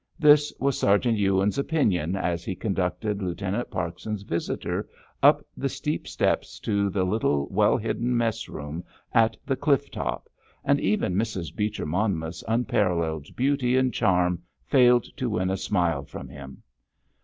This was Sergeant Ewins's opinion as he conducted Lieutenant Parkson's visitor up the steep steps to the little well hidden mess room at the cliff top, and even Mrs. Beecher Monmouth's unparalleled beauty and charm failed to win a smile from him.